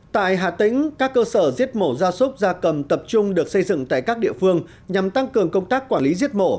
tại hà tĩnh các cơ sở giết mổ gia súc gia cầm tập trung được xây dựng tại các địa phương nhằm tăng cường công tác quản lý giết mổ